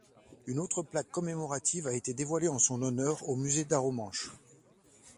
Une autre plaque commémorative a été dévoilée en son honneur au musée d'Arromanches.